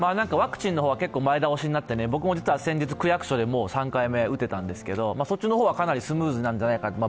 ワクチンの方は結構前倒しになって僕も先日、区役所でもう３回目打てたんですけれども、そっちの方はかなりスムーズなんじゃないか。